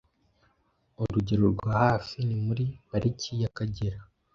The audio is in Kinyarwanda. Urugero rwa hafi ni muri Pariki y’Akagera,